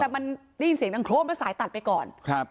แต่มันได้ยินเสียงดังโครมแล้วสายตัดไปก่อนครับ